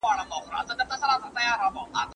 د بدن روغتیا لپاره توازن مهم دی.